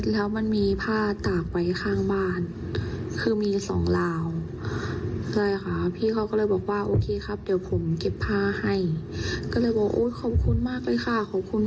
ก็เลยบอกโอ๊ยขอบคุณมากเลยค่ะขอบคุณมากเลยค่ะ